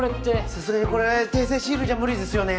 さすがにこれ訂正シールじゃ無理ですよね。